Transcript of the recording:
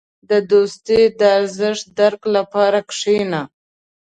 • د دوستۍ د ارزښت درک لپاره کښېنه.